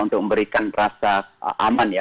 untuk memberikan rasa aman ya